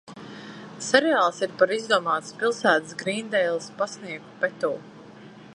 Seriāls ir par izdomātas pilsētas Grīndeilas pastnieku Petu.